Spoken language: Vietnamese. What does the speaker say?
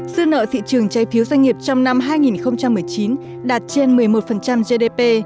dư nợ thị trường trái phiếu doanh nghiệp trong năm hai nghìn một mươi chín đạt trên một mươi một gdp